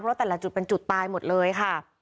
เพราะแต่ละจุดเป็นจุดตายหมดเลยค่ะ